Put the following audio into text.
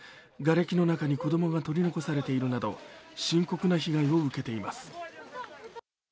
がれきの中に子供が取り残されているなど深刻な被害を受けています。